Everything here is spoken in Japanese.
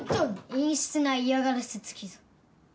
陰湿な嫌がらせ付きぞよ。